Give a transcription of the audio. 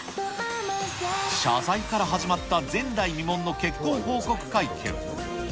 謝罪から始まった前代未聞の結婚報告会見。